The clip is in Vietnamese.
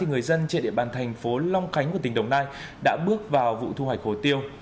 người dân trên địa bàn thành phố long khánh của tỉnh đồng nai đã bước vào vụ thu hoạch hồ tiêu